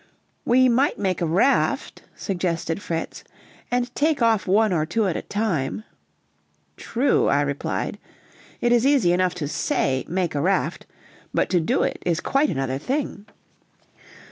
"We might make a raft," suggested Fritz, "and take off one or two at a time." "True," I replied; "it is easy enough to say, 'make a raft,' but to do it is quite another thing."